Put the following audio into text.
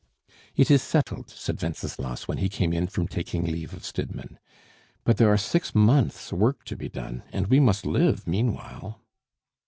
"It is settled," said Wenceslas, when he came in from taking leave of Stidmann. "But there are six months' work to be done, and we must live meanwhile."